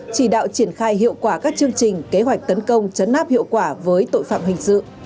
chỉ đạo triển khai hiệu quả các chương trình kế hoạch tấn công chấn áp hiệu quả với tội phạm hình sự